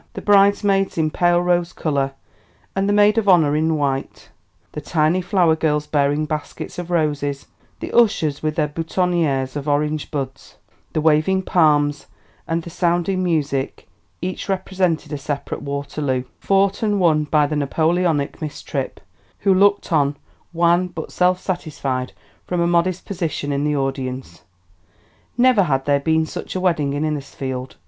The bridesmaids in pale rose colour and the maid of honour in white; the tiny flower girls bearing baskets of roses; the ushers with their boutonnières of orange buds; the waving palms and the sounding music each represented a separate Waterloo, fought and won by the Napoleonic Miss Tripp, who looked on, wan but self satisfied, from a modest position in the audience. Never had there been such a wedding in Innisfield.